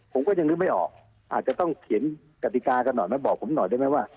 ผมก็ยังนึกไม่ออกอาจจะต้องเขียนกติกากันหน่อยไหมบอกผมหน่อยได้ไหมว่า